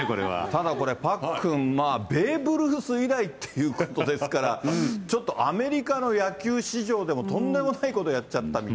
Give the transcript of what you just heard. ただ、パックン、ベーブ・ルース以来ということですから、ちょっとアメリカの野球史上でもとんでもないことやっちゃったみ